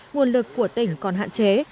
nguồn lực của tỉnh còn hạn chế